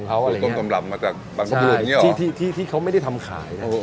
เขาอะไรอย่างเงี้ยปู่กลมกำลับมาจากใช่ที่ที่ที่เขาไม่ได้ทำขาย